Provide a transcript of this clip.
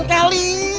cepetan pak herman